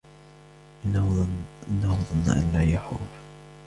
إنه ظن أن لن يحور